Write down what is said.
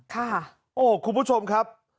โอ้คุณผู้ชมครับ